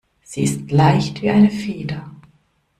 Sie ist leicht wie eine Feder.